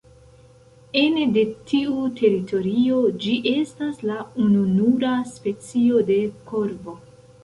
Ene de tiu teritorio ĝi estas la ununura specio de korvo.